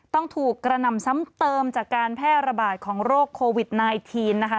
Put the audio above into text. ต้องถูกกระหน่ำซ้ำเติมจากการแพร่ระบาดของโรคโควิด๑๙นะคะ